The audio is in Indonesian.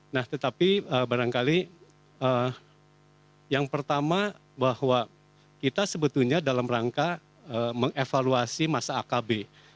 nah tetapi barangkali yang pertama bahwa kita sebetulnya dalam rangka mengevaluasi masa akb